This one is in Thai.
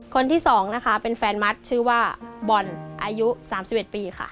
คนที่๒นะคะเป็นแฟนมัดชื่อว่าบอลอายุ๓๑ปีค่ะ